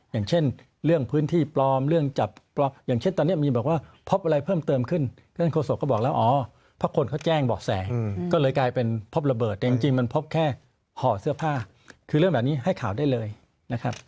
อย่างเช่นเรื่องพื้นที่ปลอมเรื่องจับปลอมอย่างเช่นตอนนี้มีบอกว่าพบอะไรเพิ่มเติมขึ้นท่านโฆษกก็บอกแล้วอ๋อเพราะคนเขาแจ้งบอกแสก็เลยกลายเป็นพบระเบิดแต่จริงมันพบแค่ห่อเสื้อผ้าคือเรื่องแบบนี้ให้ข่าวได้เลยนะครับ